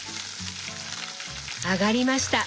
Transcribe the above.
揚がりました！